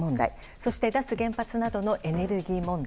そして脱原発などのエネルギー問題。